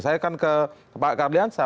saya akan ke pak kardiansa